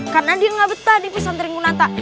karena dia nggak betah di pusat ringgunata